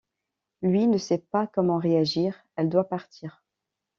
Lui ne sait pas comment réagir, elle doit partir.